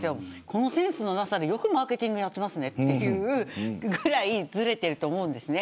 このセンスのなさでよくマーケティングをやっていますねというぐらいずれていると思うんです。